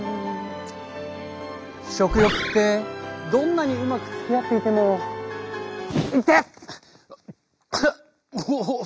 食欲ってどんなにうまくつきあっていてもいてっ！